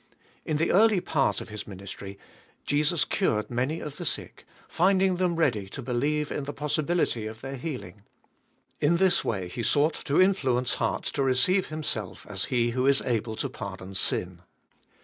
Im the early part of His min istry, Jesus cared many of the sick, find ing them ready to believe in the possihili ty of theii healing. In this way He sought to influence hearts to receive Himself as He who is able to pardon sin.